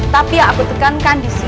tapi yang aku tekankan disini